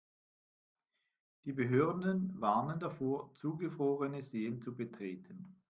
Die Behörden warnen davor, zugefrorene Seen zu betreten.